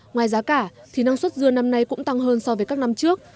ngoài giá cả thì năng suất dưa năm nay cũng tăng hơn so với các năm trước